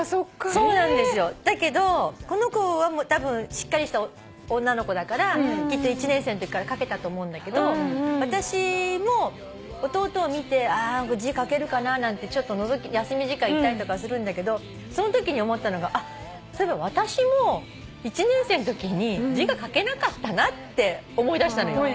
そうなんですよ。だけどこの子はしっかりした女の子だからきっと１年生のときから書けたと思うんだけど私も弟を見て「字書けるかな」なんてのぞきに休み時間行ったりとかするんだけどそんときに思ったのがそういえば私も１年生のときに字が書けなかったなって思い出したのよ。